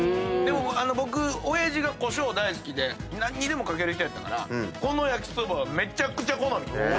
僕親父がコショウ大好きで何にでも掛ける人やったからこの焼きそばはめちゃくちゃ好み。